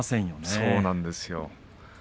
そうなんです。